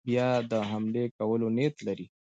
بیا د حملې کولو نیت لري.